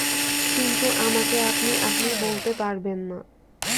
কিন্তু আমাকে আপনি আপনি বলতে পারবেন না।